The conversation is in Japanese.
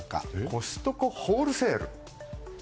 コストコホールセール。